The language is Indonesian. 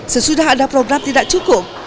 sesudah ada program tidak cukup